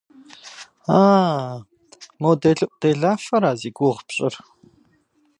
А-а, мо делэӏуделафэра зи гугъу пщӏыр?